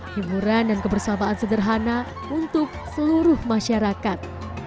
hiburan dan kebersamaan sederhana untuk seluruh masyarakat